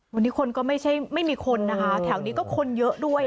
วันนี้คนก็ไม่ใช่ไม่มีคนนะคะแถวนี้ก็คนเยอะด้วย